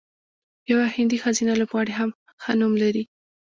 یوه هندۍ ښځینه لوبغاړې هم ښه نوم لري.